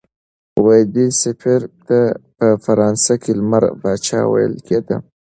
دې سفیر ته په فرانسه کې لمر پاچا ویل کېده.